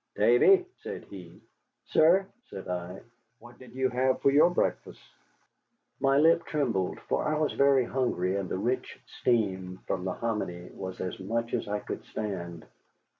"Davy," said he. "Sir?" said I. "What did you have for your breakfast?" My lip trembled, for I was very hungry, and the rich steam from the hominy was as much as I could stand.